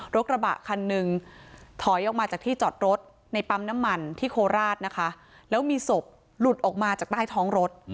กระบะคันหนึ่งถอยออกมาจากที่จอดรถในปั๊มน้ำมันที่โคราชนะคะแล้วมีศพหลุดออกมาจากใต้ท้องรถ